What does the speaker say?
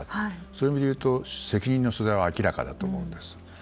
そういう意味で言うと責任の所在は明らかだと思うんです。